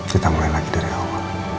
kita mulai lagi dari awal